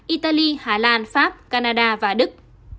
italy hà lan pháp canada và đức